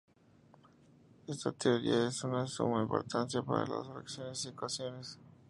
Esta teoría es de suma importancia para las fracciones y ecuaciones.